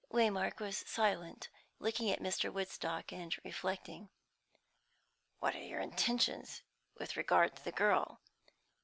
Waymark was silent, looking at Mr. Woodstock, and reflecting. "What are your intentions with regard to the girl?"